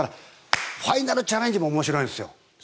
ファイナルチャレンジも面白いんですよ。